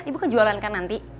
ibu kejualan kan nanti